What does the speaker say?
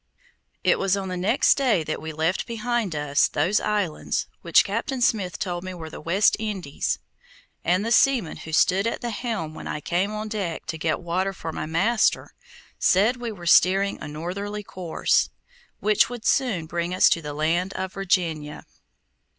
It was on the next day that we left behind us those islands which Captain Smith told me were the West Indies, and the seaman who stood at the helm when I came on deck to get water for my master, said we were steering a northerly course, which would soon bring us to the land of Virginia.